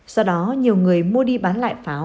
do đó nhiều người mua đi bán lại pháo